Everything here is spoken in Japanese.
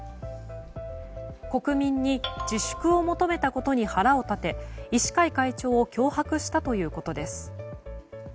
国民に自粛を求めたことに腹を立て医師会会長を脅迫したということです。